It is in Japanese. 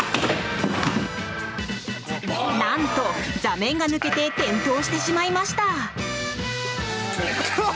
なんと座面が抜けて転倒してしまいました。